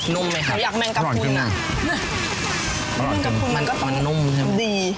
นุ่มไหมครับอร่อยจริงมันก็นุ่มใช่ไหมดี